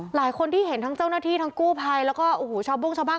หลายคนที่เห็นทั้งเจ้าหน้าที่ทั้งกู้ภัยแล้วก็โอ้โหชาวโบ้งชาวบ้าน